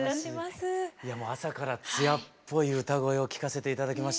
朝から艶っぽい歌声を聴かせて頂きまして。